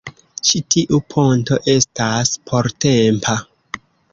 Ĉi tiu ponto estas portempa